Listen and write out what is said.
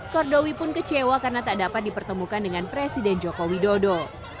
kordowi pun kecewa karena tak dapat dipertemukan dengan presiden joko widodo